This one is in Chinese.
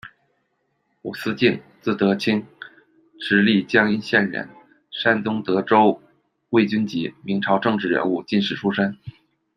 吴思敬，字德钦，直隶江阴县人人，山东德州卫军籍，明朝政治人物、进士出身。